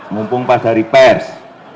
mumpung pak dari pers